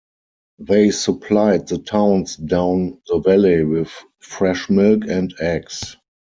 They supplied the towns down the valley with fresh milk and eggs.